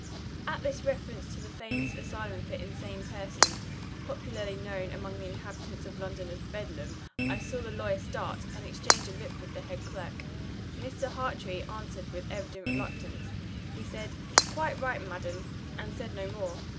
At this reference to the famous asylum for insane persons, popularly known among the inhabitants of London as "Bedlam," I saw the lawyer start, and exchange a look with the head clerk. Mr. Hartrey answered with evident reluctance; he said, "Quite right, madam" and said no more.